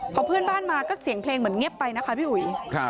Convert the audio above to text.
พอเพื่อนบ้านมาก็เสียงเพลงเหมือนเงียบไปนะคะพี่อุ๋ย